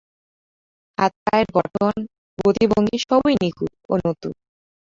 হাত-পায়ের গঠন, গতিভঙ্গি সবই নিখুঁত ও নতুন।